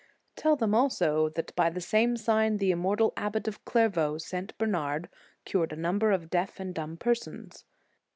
* Tell them, also, that by the same sign the immortal Abbot of Clairvaux, St. Bernard cured a number of deaf and dumb persons.